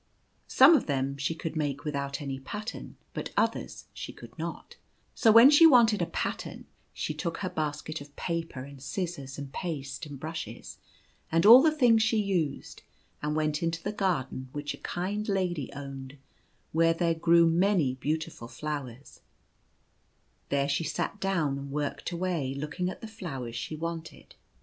Some of them she could make without any pattern, but others she could not, so when she wanted a pattern she took her basket of paper and scissors, and paste, and brushes, and all the things she used, and went into the garden which a kind lady owned, where there grew many beautiful flowers, There she sat down and worked away, looking at the flowers she wanted.